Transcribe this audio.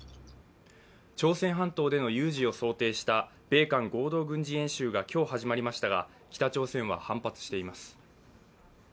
朝鮮半島での有事を想定した米韓合同軍事演習が今日始まりましたが北朝鮮は反発しています。